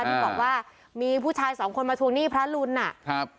ที่บอกว่ามีผู้ชายสองคนมาทวงหนี้พระรุนอ่ะครับ